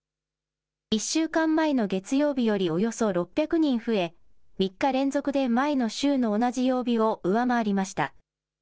１週間前の月曜日よりおよそ６００人増え、３日連続で前の週の同じ曜日を上回りました。